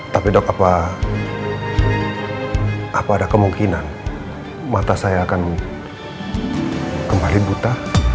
tapi dok apa ada kemungkinan mata saya akan kembali buta